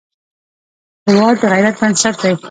هېواد د غیرت بنسټ دی.